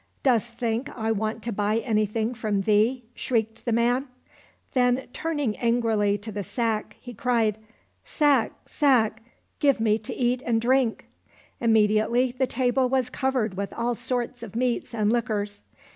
—" Dost think I want to buy anything from thee ?" shrieked the man ; then, turning angrily to the sack, he cried, " Sack, sack, give me to eat and drink !" Immediately the table was covered with all sorts of meats and Hquors.